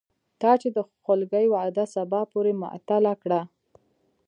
تا چې د خولګۍ وعده سبا پورې معطله کړه